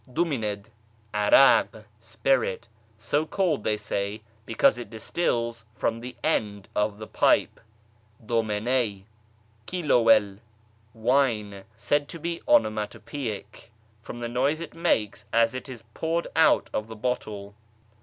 Dumincd, 'arak, spirit (so called, they say, because it distils " from the end of the pipe," dum i netj). Kiloioel, wine (said to be onomatopadc, from the noise it makes as it is jDoured out of the bottle).